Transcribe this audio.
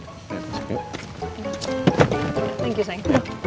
terima kasih sayang